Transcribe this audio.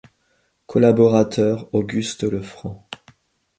Collaborateur Auguste Lefranc.